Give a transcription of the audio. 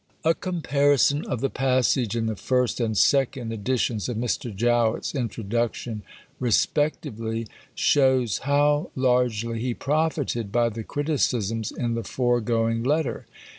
A comparison of the passage in the first and second editions of Mr. Jowett's Introduction respectively shows how largely he profited by the criticisms in the foregoing letter.